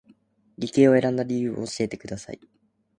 理系を選んだ理由を教えてください